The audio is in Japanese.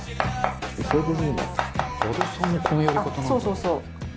そうそうそう。